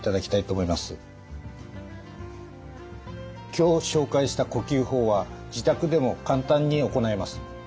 今日紹介した呼吸法は自宅でも簡単に行えます。